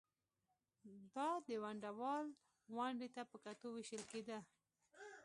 دا د ونډه وال ونډې ته په کتو وېشل کېده